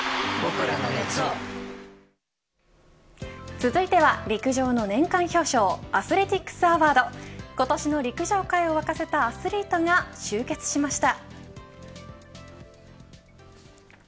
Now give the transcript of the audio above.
続いては陸上の年間表彰アスレティックス・アワード今年の陸上界をわかせたアスリートが集結しました。